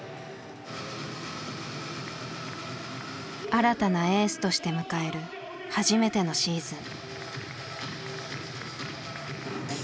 新たなエースとして迎える初めてのシーズン。